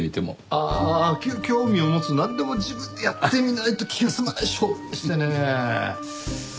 ああ興味を持つとなんでも自分でやってみないと気が済まない性分でしてね。